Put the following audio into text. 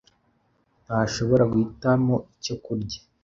ntashobora guhitamo icyo kurya.